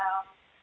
dan juga di kmdb